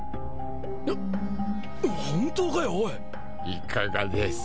いかがです？